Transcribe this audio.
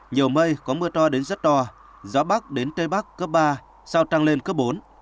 nhiều mây có mưa to đến rất to gió bắc đến tây bắc cấp ba sau tăng lên cấp bốn